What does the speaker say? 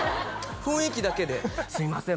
雰囲気だけですいません